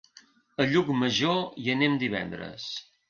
A Llucmajor hi anem divendres.